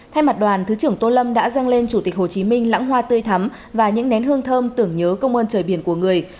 thay mặt đoàn thứ trưởng tô lâm đã dâng lên chủ tịch hồ chí minh lãng hoa tươi thắm và những nén hương thơm tưởng nhớ công ơn trời biển của người